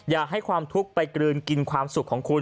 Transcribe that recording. อย่าให้ความทุกข์ไปกลืนกินความสุขของคุณ